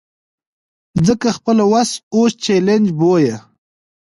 ځکه خپله وسه اوس چلنج بویه.